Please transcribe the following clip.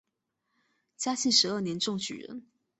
嘉庆十二年中举人。